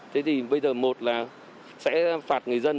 thế thì bây giờ một là sẽ phạt người dân